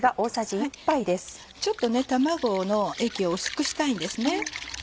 ちょっと卵の液を薄くしたいんですね。